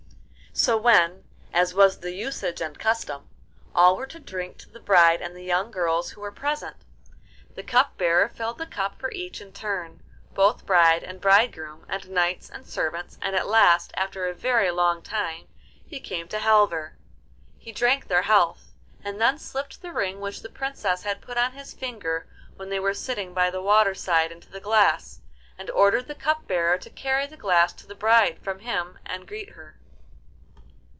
So when, as was the usage and custom, all were to drink to the bride and the young girls who were present, the cup bearer filled the cup for each in turn, both bride and bridegroom, and knights and servants, and at last, after a very long time, he came to Halvor. He drank their health, and then slipped the ring which the Princess had put on his finger when they were sitting by the waterside into the glass, and ordered the cup bearer to carry the glass to the bride from him and greet her.